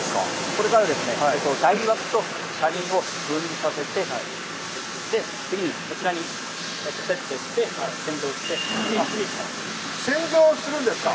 これからですね台枠と車輪を分離させてで次にこちらにセットして洗浄するんですか